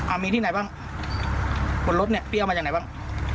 มีที่ไหนบ้างบนรถเนี่ยเปรี้ยวมาจากไหนบ้าง